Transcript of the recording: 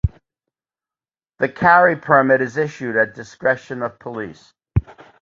The carry permit is issued at discretion of police.